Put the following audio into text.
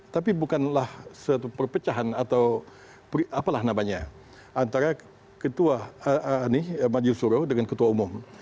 tapi bukanlah satu perpecahan atau apalah namanya antara ketua majelis suro dengan ketua umum